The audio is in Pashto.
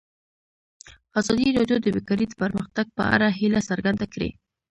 ازادي راډیو د بیکاري د پرمختګ په اړه هیله څرګنده کړې.